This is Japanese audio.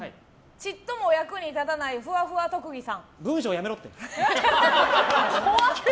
ちっとも役に立たないふわふわ特技さん。